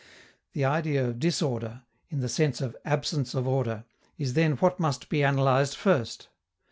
The idea of disorder, in the sense of absence of order, is then what must be analyzed first.